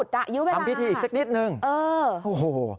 ยื้อเวลานั้นค่ะทำพิธีอีกสักนิดนึงเออโอ้โห